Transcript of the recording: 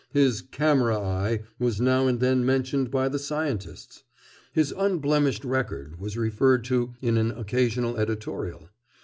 His "camera eye" was now and then mentioned by the scientists. His unblemished record was referred to in an occasional editorial.